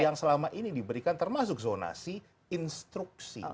yang selama ini diberikan termasuk zonasi instruksi